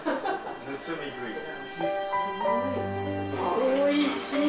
おいしい！